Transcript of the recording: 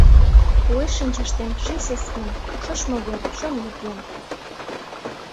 Уэш шинчаштем — ший сескем: шочмо вер, чон лукем!